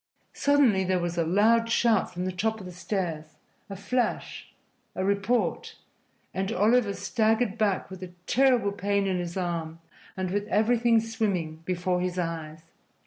Suddenly there was a loud shout from the top of the stairs a flash a report and Oliver staggered back with a terrible pain in his arm and with everything swimming before his eyes.